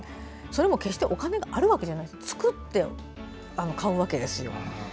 それも決してお金があるわけじゃなくて作って買うわけです。